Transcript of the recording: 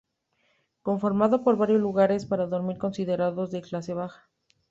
Conformado por varios lugares para dormir considerados de clase baja.